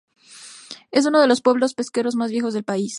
Es uno de los pueblos pesqueros más viejos del país.